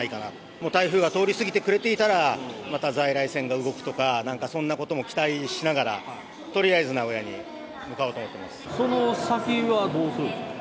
もう台風が通り過ぎてくれていたら、また在来線が動くとか、なんかそんなことも期待しながら、とりあえず名古屋に向かおうと思その先はどうするんですか？